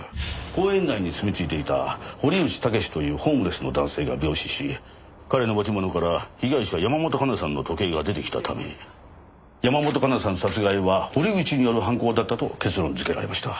公園内に住みついていた堀内猛というホームレスの男性が病死し彼の持ち物から被害者山本香奈さんの時計が出てきたため山本香奈さん殺害は堀内による犯行だったと結論づけられました。